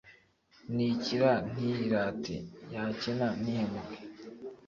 ni ikira ntiyirate, yakena ntihemuke